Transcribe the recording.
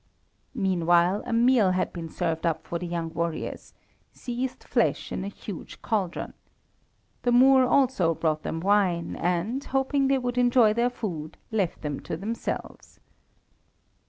Meanwhile, a meal had been served up for the young warriors seethed flesh in a huge caldron. The Moor also brought them wine, and, hoping they would enjoy their food, left them to themselves.